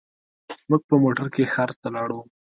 موږ په موټر کې ښار ته لاړو.